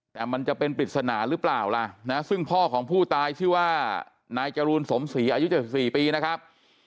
แต่มันจะเป็นปริศนาหรือเปล่าล่ะนะซึ่งพ่อของผู้ตายชื่อว่านายจรูนสมศรีอายุ๗๔ปีนะครับ